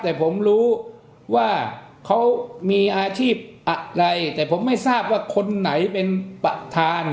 แต่ผมรู้ว่าเขามีอาชีพอะไรแต่ผมไม่ทราบว่าคนไหนเป็นประธาน